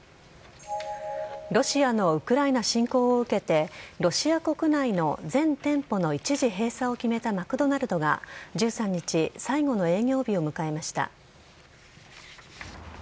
ロシアのウクライナ侵攻を受けて、ロシア国内の全店舗の一時閉鎖を決めたマクドナルドが１３日、最後の営業日を迎えました。